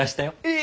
え！